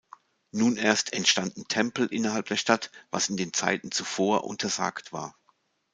Nun erst entstanden Tempel innerhalb der Stadt, was in den Zeiten zuvor untersagt war.